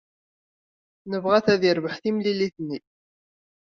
Nebɣa-t ad yerbeḥ timlilit-nni.